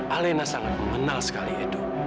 alena sangat membenal sekali edo